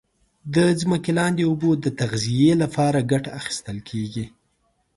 د ځمکې لاندي اوبو د تغذیه لپاره کټه اخیستل کیږي.